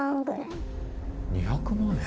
２００万円？